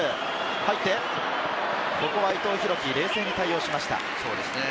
入って、ここは伊藤洋輝、冷静に対応しました。